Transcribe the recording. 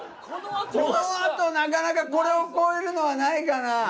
この後なかなかこれを超えるのはないかな。